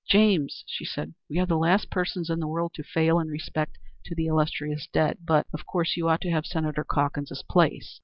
"James," she said, "we are the last persons in the world to fail in respect to the illustrious dead, but of course you ought to have Senator Calkins's place."